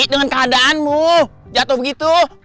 dengan keadaanmu jatuh begitu